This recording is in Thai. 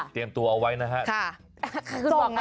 เตรียมตัวเอาไว้นะฮะ